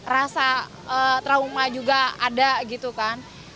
rasa trauma juga ada gitu kan